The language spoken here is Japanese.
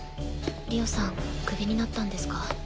りおさんクビになったんですか？